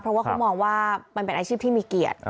เพราะว่าเขามองว่ามันเป็นอาชีพที่มีเกียรติ